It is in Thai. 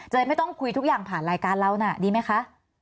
ไม่ต้องคุยทุกอย่างผ่านรายการเราน่ะดีไหมคะ